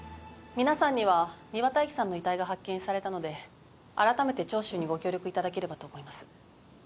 皆さんには美和大樹さんの遺体が発見されたのであらためて聴取にご協力いただければと思います。